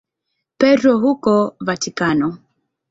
Petro huko Vatikano.